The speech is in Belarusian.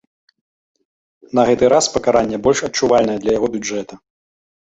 На гэты раз пакаранне больш адчувальнае для яго бюджэта.